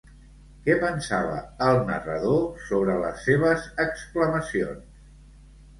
Què pensava el narrador sobre les seves exclamacions?